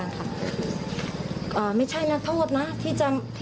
ขอบคุณครับ